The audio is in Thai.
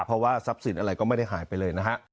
เพราะว่าทรัพย์สินอะไรก็ไม่ได้หายไปเลยนะฮะ